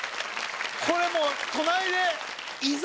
これもう隣で伊沢